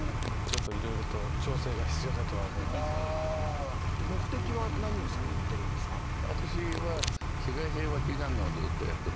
ちょっといろいろと調整が必要だとは思いますが目的は何をされに行ってるんですか？